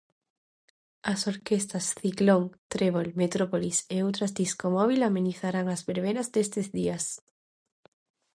As orquestras Ciclón, Trébol, Metrópolis, e outras disco móbil amenizarán as verbenas destes días.